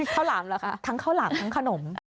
เข้าหล่ำหรือคะทั้งเข้าหล่ำทั้งขนม